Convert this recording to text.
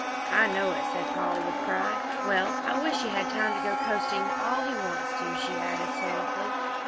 "I know it," said Polly, with pride. "Well, I wish he had time to go coasting all he wants to," she added sorrowfully.